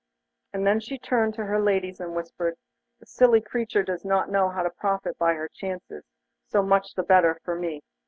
And then she turned to her ladies and whispered 'The silly creature does not know how to profit by her chances; so much the better for me.